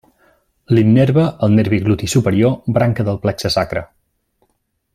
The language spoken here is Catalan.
L'innerva el nervi gluti superior, branca del plexe sacre.